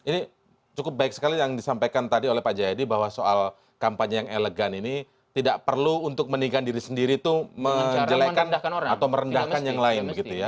ini cukup baik sekali yang disampaikan tadi oleh pak jayadi bahwa soal kampanye yang elegan ini tidak perlu untuk meninggikan diri sendiri itu menjelekan atau merendahkan yang lain begitu ya